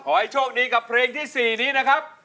ขอให้โชคดีกับเพลงที่๔นี้นะครับ